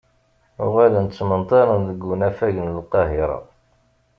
Uɣalen ttmenṭaren deg unafag n Lqahira.